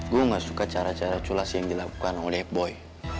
gue gak suka cara cara culas yang dilakukan oleh boy